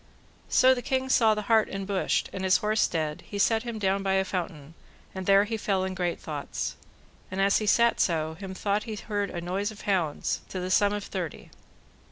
So the king saw the hart enbushed, and his horse dead, he set him down by a fountain, and there he fell in great thoughts. And as he sat so, him thought he heard a noise of hounds, to the sum of thirty.